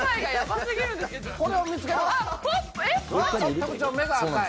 特徴、目が赤い。